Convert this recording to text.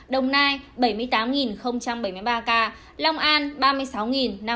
đến nay việt nam đã chữa khỏi hơn tám trăm sáu mươi ba ba trăm linh ca mắc covid một mươi chín